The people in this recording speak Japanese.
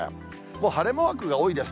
もう晴れマークが多いです。